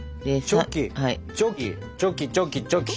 ジョキンチョキチョキチョキチョキ。